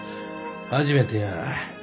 初めてや。